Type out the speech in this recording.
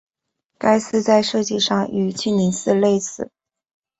该寺在设计上与庆宁寺类似。